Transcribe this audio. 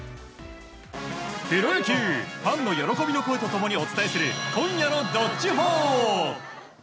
プロ野球ファンの喜びの声と共にお伝えする今夜の「＃どっちほー」。